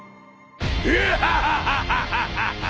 フハハハハ！